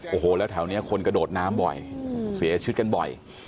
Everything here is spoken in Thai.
โอ้โหแล้วแถวนี้คนกระโดดน้ำบ่อยเสียชีวิตกันบ่อย